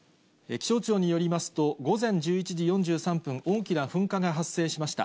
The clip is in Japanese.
気象庁によりますと、午前１１時４３分、大きな噴火が発生しました。